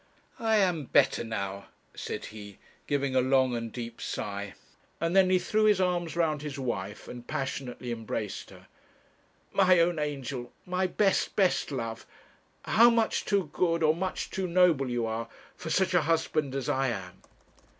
'I am better now,' said he, giving a long and deep sigh; and then he threw his arms round his wife and passionately embraced her. 'My own angel, my best, best love, how much too good or much too noble you are for such a husband as I am!'